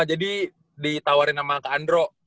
jadi ditawarin sama kak andro